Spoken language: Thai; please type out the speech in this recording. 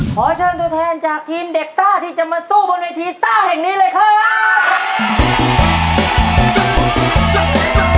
ขอเชิญตัวแทนจากทีมเด็กซ่าที่จะมาสู้บนเวทีซ่าแห่งนี้เลยครับ